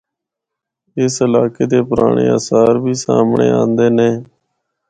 اس علاقے دی پرانڑے آثار بھی سامنڑے آندے نے۔